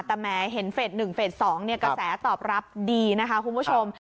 แต่แม้เห็นเฟส๑เฟส๒กระแสตอบรับดีนะคะคุณผู้ชม